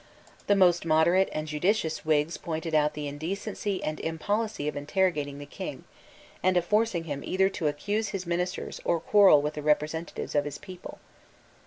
The most moderate and judicious Whigs pointed out the indecency and impolicy of interrogating the King, and of forcing him either to accuse his ministers or to quarrel with the representatives of his people.